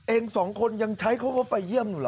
เอ็ง๒คนยังใช้เข้าไปเยี่ยมหนูหรอ